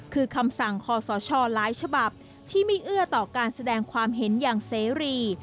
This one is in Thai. คือคำสั่งคอสชหลายฉบับที่ไม่เอื้อต่อการแสดงความเห็นอย่างเสรี